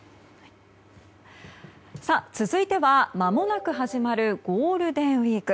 続いては、まもなく始まるゴールデンウィーク。